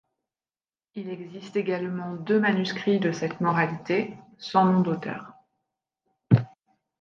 Il existe également deux manuscrits de cette moralité - sans nom d'auteur.